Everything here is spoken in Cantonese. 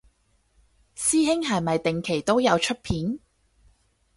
師兄係咪定期都有出片